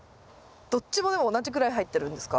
どっちもでも同じくらい入ってるんですか？